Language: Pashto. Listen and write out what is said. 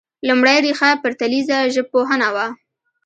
لومړۍ ريښه پرتلیره ژبپوهنه وه